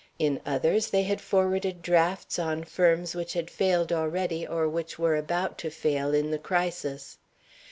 In others, they had forwarded drafts on firms which had failed already, or which were about to fail, in the crisis.